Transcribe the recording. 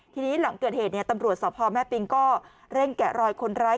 ทีนี้หลังเกิดเหตุตำรวจสพแม่ปิงก็เร่งแกะรอยคนร้าย